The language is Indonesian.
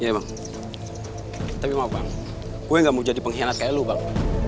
oke bang tapi maaf bang gue gak mau jadi pengkhianat kayak lo bang